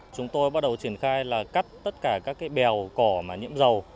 chúng tôi bắt đầu triển khai là cắt tất cả các cái bèo cỏ mà nhiễm dầu